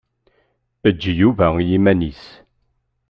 Eǧǧ Yuba i yiman-is.